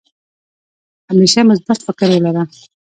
همېشه مثبت فکر ولره